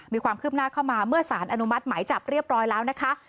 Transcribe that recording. มีความคืบหน้าเข้ามาเมื่อสารอนุมัติหมายจับเรียบร้อยแล้วนะคะ